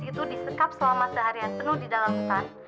setelah gadis itu disekap selama seharian penuh di dalam betah